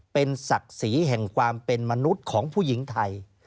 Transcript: เป็นศักดิ์ศรีแห่งความเป็นมนุษย์ของผู้หญิงไทย